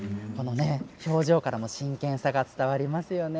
表情からも真剣さが伝わりますよね。